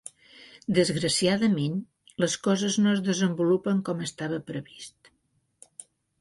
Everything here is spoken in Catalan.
Desgraciadament, les coses no es desenvolupen com estava previst.